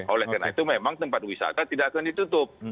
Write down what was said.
oleh karena itu memang tempat wisata tidak akan ditutup